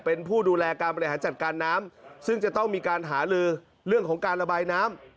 เป็นผู้ดูแลการบริหารจัดการน้ำซึ่งจะต้องมีการหาลือเรื่องของการระบายน้ำ